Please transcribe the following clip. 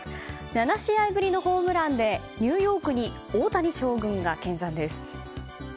７試合ぶりのホームランでニューヨークに大谷将軍が見参です。